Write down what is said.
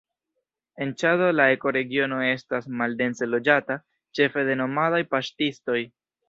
En Ĉado la ekoregiono estas maldense loĝata, ĉefe de nomadaj paŝtistoj.